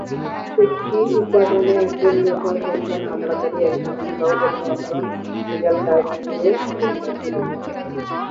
একটি উপাদানে একজন নেতা, দুইজন হামলাকারী, একজন স্কাউট, এবং একজন রিয়ার-গার্ড দিয়ে গঠিত ছিল।